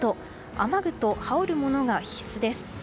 雨具と羽織るものが必須です。